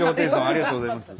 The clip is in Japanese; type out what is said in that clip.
ありがとうございます。